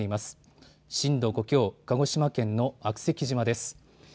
震度５強、鹿児島県の悪石島です。